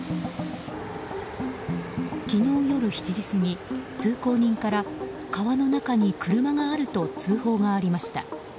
昨日夜７時過ぎ、通行人から川の中に車があると通報がありました。